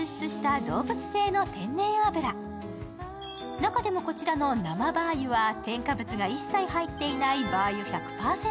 中でもこちらの生馬油は添加物が一切入っていない馬油１００％。